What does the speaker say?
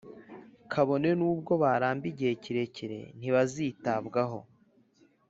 Kabone n’ubwo baramba igihe kirekire, ntibazitabwaho,